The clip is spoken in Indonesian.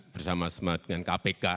bersama sama dengan kpk